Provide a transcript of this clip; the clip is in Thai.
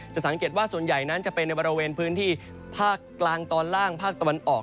สังเกตว่าส่วนใหญ่นั้นจะเป็นในบริเวณพื้นที่ภาคกลางตอนล่างภาคตะวันออก